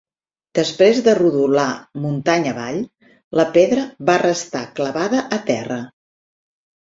Després de rodolar muntanya avall, la pedra va restar clavada a terra.